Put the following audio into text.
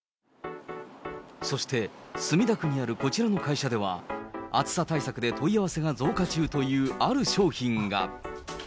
そして墨田区にあるこちらの会社では、暑さ対策で問い合わせが増加中というある商品が。